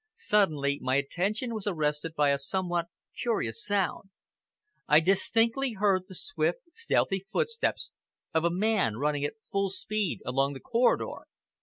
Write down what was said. Suddenly my attention was arrested by a somewhat curious sound. I distinctly heard the swift, stealthy footsteps of a man running at full speed along the corridor.